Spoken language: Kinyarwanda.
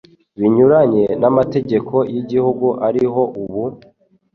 Binyuranye namategeko yigihugu ariho ubu